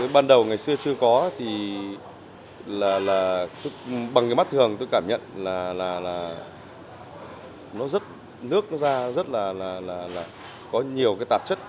ban đầu ngày xưa chưa có bằng mắt thường tôi cảm nhận nước ra có nhiều tạp chất